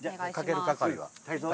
かける係は？